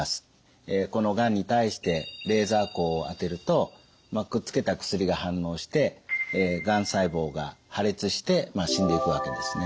このがんに対してレーザー光を当てるとくっつけた薬が反応してがん細胞が破裂して死んでいくわけですね。